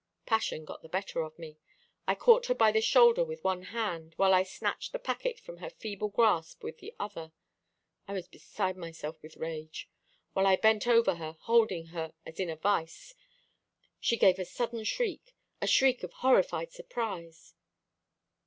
Passion got the better of me. I caught her by the shoulder with one hand, while I snatched the packet from her feeble grasp with the other. I was beside myself with rage. While I bent over her, holding her as in a vice, she gave a sudden shriek, a shriek of horrified surprise.